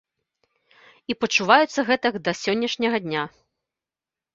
І пачуваюцца гэтак да сённяшняга дня.